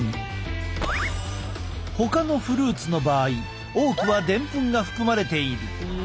ほかのフルーツの場合多くはでんぷんが含まれている。